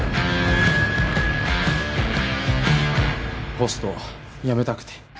ホスト辞めたくて。